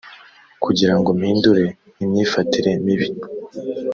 kugira ngo mpindure imyifatire mibi